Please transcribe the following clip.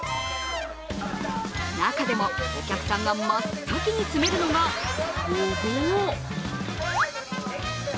中でも、お客さんが真っ先に詰めるのがごぼう。